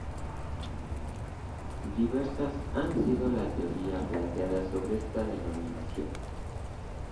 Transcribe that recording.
Diversas han sido las teorías planteadas sobre esta denominación.